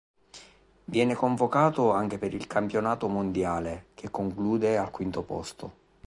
Viene convocato anche per il campionato mondiale, che conclude al quinto posto.